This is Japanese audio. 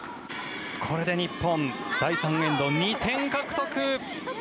これで日本第３エンド、２点獲得。